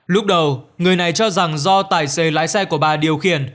lúc đầu người này cho rằng do tài xế lái xe của bà điều khiển